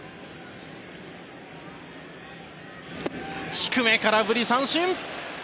低め、空振り三振。